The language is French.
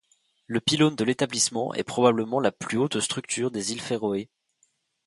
Le pylône de l'établissement est probablement la plus haute structure des îles Féroé.